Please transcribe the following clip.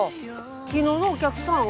昨日のお客さん？